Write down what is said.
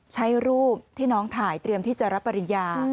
ใช้รูปที่น้องถ่ายเตรียมที่จะรับปริญญา